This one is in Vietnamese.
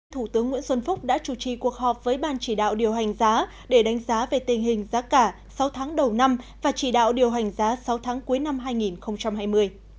thủ tướng nguyễn xuân phúc đã chủ trì cuộc họp với ban chỉ đạo điều hành giá để đánh giá về tình hình giá cả sáu tháng đầu năm và chỉ đạo điều hành giá sáu tháng cuối năm hai nghìn hai mươi